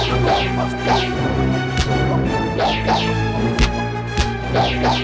setelah jumlah kedua dan setelah setelah